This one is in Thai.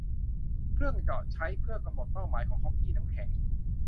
เครื่องเจาะใช้เพื่อกำหนดเป้าหมายของฮ็อกกี้น้ำแข็ง